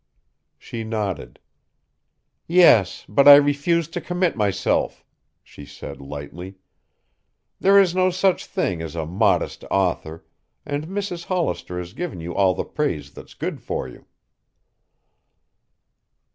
She nodded. "Yes, but I refuse to commit myself," she said lightly. "There is no such thing as a modest author, and Mrs. Hollister has given you all the praise that's good for you."